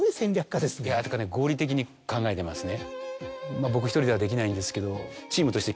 合理的に考えてますね。